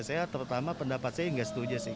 saya terutama pendapat saya nggak setuju sih